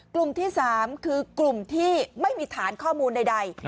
กลุ่มที่๓คือกลุ่มที่ไม่มีฐานข้อมูลใด